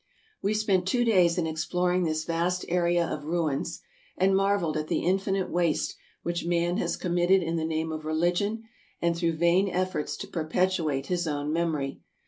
We spent two days in exploring this vast area of ruins, and marveled at the infinite waste which man has commit ted in the name of religion and through vain efforts to per petuate his own memory.